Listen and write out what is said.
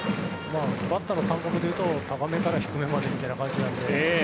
バッターの感覚で言うと高めから低めまでみたいな感じなので。